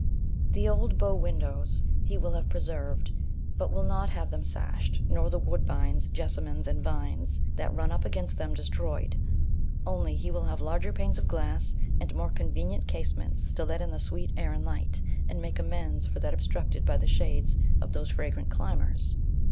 The old bow windows he will have preserved, but will not have them sashed, nor the woodbines, jessamines, and vines, that run up against them, destroyed: only he will have larger panes of glass, and more convenient casements to let in the sweet air and light, and make amends for that obstructed by the shades of those fragrant climbers.